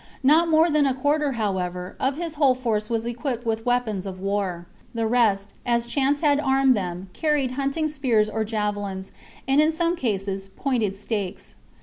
Not more than a quarter, however, of his whole force was equipped with weapons of war. The rest, as chance had armed them, carried hunting spears or javelins, and, in some cases, pointed stakes.